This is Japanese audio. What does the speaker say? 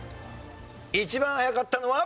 一番早かったのはこの人！